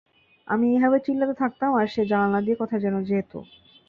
আমি এভাবে চিল্লাতে থাকতাম আর সে জানালা দিয়ে কোথায় যেন যেত!